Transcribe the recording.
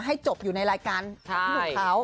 ให้จบอยู่ในรายการของพี่หนุ่มเขา